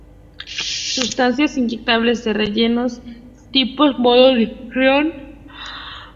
Sustancias inyectables de relleno: tipos, modos de acción, indicaciones, aplicación y complicaciones.